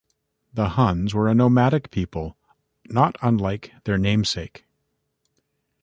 The Huns were a nomadic people, not unlike their namesake.